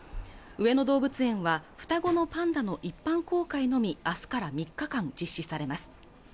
上野動物園は双子のパンダの一般公開のみ明日から３日間実施されます